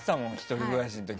１人暮らしの時。